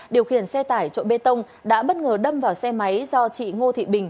điều khiển xe tải trộn bê tông đã bất ngờ đâm vào xe máy do chị ngô thị bình